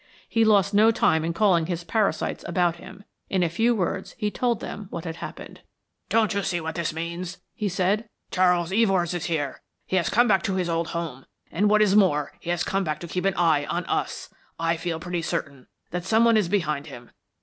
He lost no time in calling his parasites about him. In a few words he told them what had happened. "Don't you see what it means?" he said. "Charles Evors is here, he has come back to his old home, and what is more he has come back to keep an eye on us. I feel pretty certain that someone is behind him.